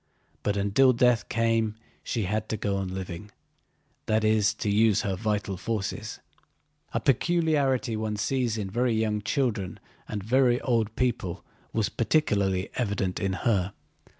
But until death came she had to go on living, that is, to use her vital forces. A peculiarity one sees in very young children and very old people was particularly evident in her.